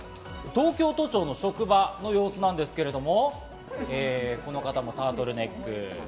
東京都庁の職場の様子ですけれども、この方もタートルネック。